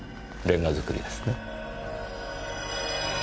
レンガ造りですね。